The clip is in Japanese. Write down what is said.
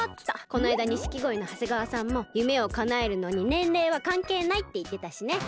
こないだにしきごいのはせがわさんも「ゆめをかなえるのにねんれいはかんけいない」っていってたしね。